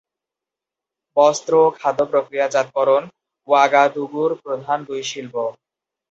বস্ত্র ও খাদ্য প্রক্রিয়াজাতকরণ ওয়াগাদুগু-র প্রধান দুই শিল্প।